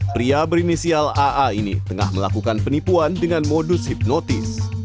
pria berinisial aa ini tengah melakukan penipuan dengan modus hipnotis